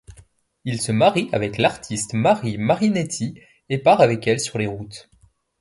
Il se marie avec l'artiste Marie Marinetti, et part avec elle sur les routes.